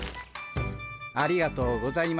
ありがとうございます。